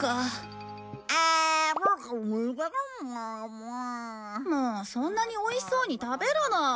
もうそんなにおいしそうに食べるな！